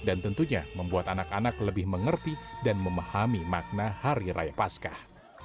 dan tentunya membuat anak anak lebih mengerti dan memahami makna hari raya paskah